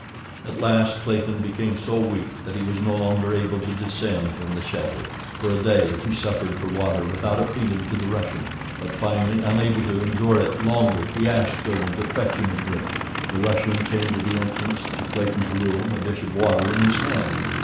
At last Clayton became so weak that he was no longer able to descend from the shelter. For a day he suffered for water without appealing to the Russian, but finally, unable to endure it longer, he asked Thuran to fetch him a drink. The Russian came to the entrance to Clayton's room, a dish of water in his hand.